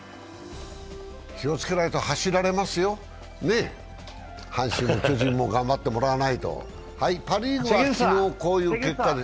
気をつけないと走られますよ、阪神も巨人も頑張ってもらわないと。